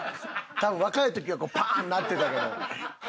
多分若い時はこうパーン！になってたけど。